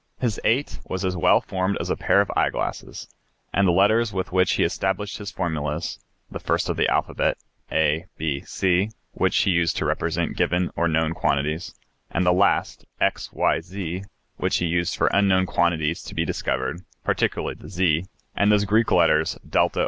His 8 was as well formed as a pair of eye glasses; and the letters with which he established his formulas, the first of the alphabet, a, b, c, which he used to represent given or known quantities, and the last, x, y, z, which he used for unknown quantities to be discovered, particularly the "z," and those Greek letters d, ?